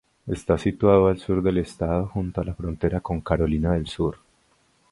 Está situado al sur del estado, junto a la frontera con Carolina del Sur.